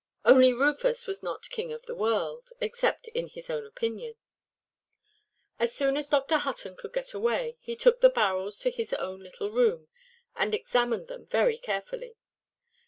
Only Rufus was not king of the world, except in his own opinion. As soon as Dr. Hutton could get away, he took the barrels to his own little room, and examined them very carefully.